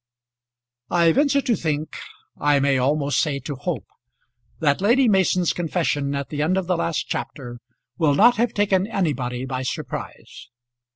I venture to think, I may almost say to hope, that Lady Mason's confession at the end of the last chapter will not have taken anybody by surprise.